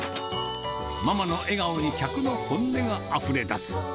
ママの笑顔に客の本音があふれ出す。